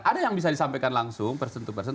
ada yang bisa disampaikan langsung person to person